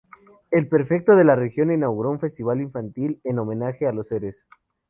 El prefecto de la región inauguró un festival infantil en homenaje a los seres.